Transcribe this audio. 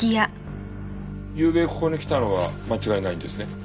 ゆうべここに来たのは間違いないんですね？